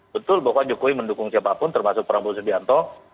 betul bahwa jokowi mendukung siapapun termasuk prabowo subianto